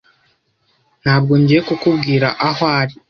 Ntabwo ngiye kukubwira aho ari.